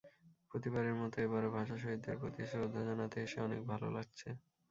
প্রতিবারের মতো এবারও ভাষা শহীদদের প্রতি শ্রদ্ধা জানাতে এসে অনেক ভালো লাগছে।